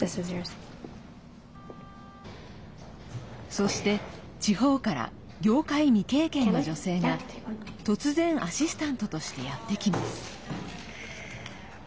そして、地方から業界未経験の女性が、突然アシスタントとしてやって来ます。